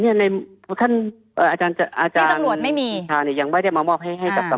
เนี้ยในอาจารย์อาจารย์ที่ต่างหลวงไม่มีฉะนั้นยังไม่ได้มามอบให้ให้กับ